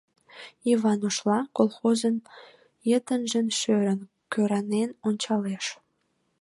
Йыван «Ошла» колхозын йытынжым шӧрын, кӧранен ончалеш.